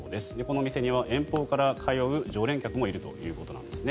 この店には遠方から通う常連客もいるということです。